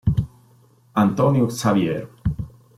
António Xavier